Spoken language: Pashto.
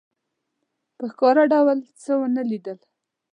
په ښکاره ډول څه ونه لیدل.